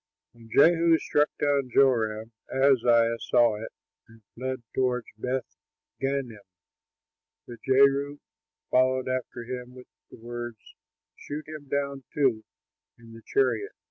When Jehu struck down Joram, Ahaziah saw it and fled toward Beth gannim. But Jehu followed after him with the words, "Shoot him down, too, in the chariot."